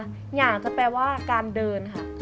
เงั่งก็แปลว่าการเดินค่ะ